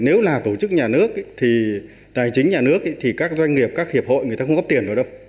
nếu là tổ chức nhà nước thì tài chính nhà nước thì các doanh nghiệp các hiệp hội người ta không góp tiền vào đâu